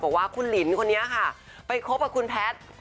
บอกว่าคุณหลินคนนี้ค่ะไปคบกับคุณแพทย์